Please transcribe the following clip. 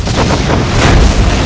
tidak ada yang lebih sakti dariku